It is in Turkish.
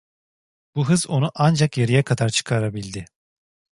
Bu hız onu ancak yarıya kadar çıkarabildi.